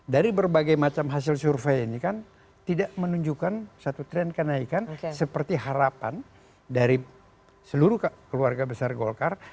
dari berbagai macam hasil survei ini kan tidak menunjukkan satu tren kenaikan seperti harapan dari seluruh keluarga besar golkar